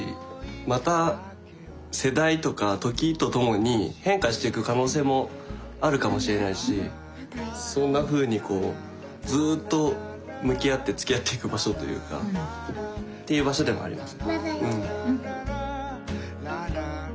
また世代とか時とともに変化していく可能性もあるかもしれないしそんなふうにこうずっと向き合って付き合っていく場所というかっていう場所でもあります。